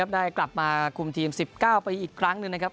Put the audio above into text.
ได้กลับมาคุมทีม๑๙ปีอีกครั้งหนึ่งนะครับ